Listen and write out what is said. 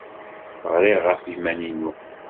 Rriɣ ɣef yiman-inu.